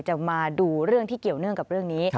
จะมาดูเรื่องที่เกี่ยวเนื่องกับเรื่องนี้